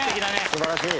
素晴らしい。